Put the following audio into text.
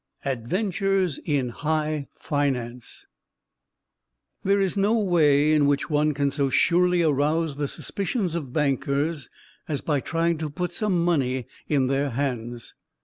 ADVENTURES IN HIGH FINANCE There is no way in which one can so surely arouse the suspicions of bankers as by trying to put some money in their hands.